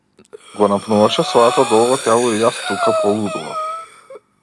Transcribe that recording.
Го напнуваше своето долго тело и јас тука полудував.